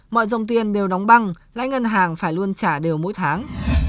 mọi dòng tiền đều đóng băng lãi ngân hàng phải luôn trả đều mỗi tháng